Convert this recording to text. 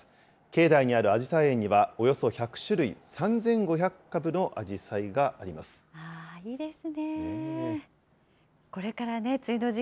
境内にあるあじさい苑には、およそ１００種類３５００株のあじさいがあります。